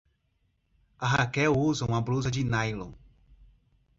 A Raquel usa uma blusa de nylon.